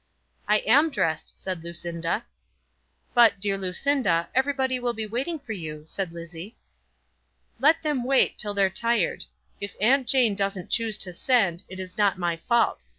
"I am dressed," said Lucinda. "But, dear Lucinda, everybody will be waiting for you," said Lizzie. "Let them wait, till they're tired. If Aunt Jane doesn't choose to send, it is not my fault.